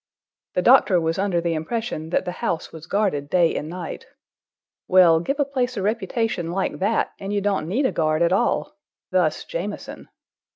The doctor was under the impression that the house was guarded day and night. Well, give a place a reputation like that, and you don't need a guard at all,—thus Jamieson.